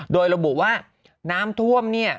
โดยระบุว่าน้ำท่วมเนี่ย